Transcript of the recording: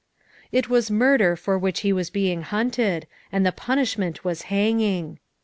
It was murder for which he was being hunted, and the punishment was hanging.